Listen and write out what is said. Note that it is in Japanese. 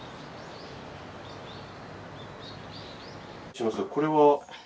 すみませんこれは？